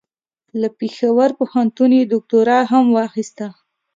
له پېښور پوهنتون یې دوکتورا هم واخیسته.